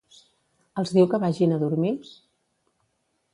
Els diu que vagin a dormir?